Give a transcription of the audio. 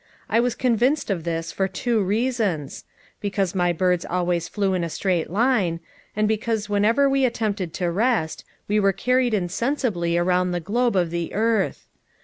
_ I_ _was convinced of this for two reasons because my birds always flew in a straight line; and because whenever we attempted to rest, _we were carried insensibly around the globe of the earth.